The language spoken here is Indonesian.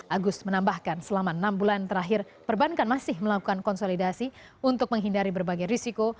agus menambahkan selama enam bulan terakhir perbankan masih melakukan konsolidasi untuk menghindari berbagai risiko